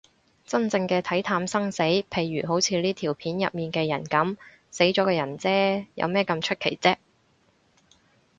真正嘅睇淡生死，譬如好似呢條片入面嘅人噉，死咗個人嗟，有乜咁出奇啫